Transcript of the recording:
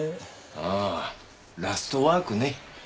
ああ『ラストワーク』ね。